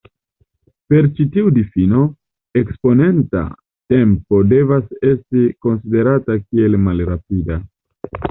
Per ĉi tiu difino, eksponenta tempo devas esti konsiderata kiel malrapida.